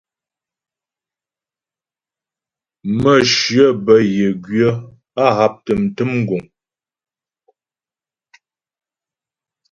Mə̌shyə bə́ yə gwyə̌, á haptə mtə̀m guŋ.